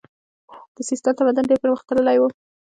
د سیستان تمدن ډیر پرمختللی و